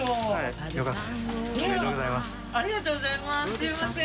すみません